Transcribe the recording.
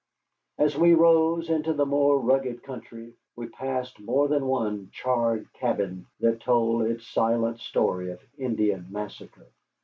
As we rose into the more rugged country we passed more than one charred cabin that told its silent story of Indian massacre.